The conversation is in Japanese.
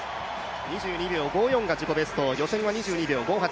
２２秒５４が自己ベスト、予選は２２秒５８。